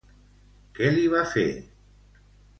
Què li va fer?